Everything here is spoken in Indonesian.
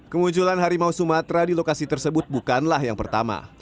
kemunculan harimau sumatera di lokasi tersebut bukanlah yang pertama